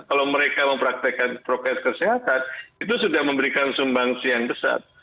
kalau mereka mempraktekan prokes kesehatan itu sudah memberikan sumbangsi yang besar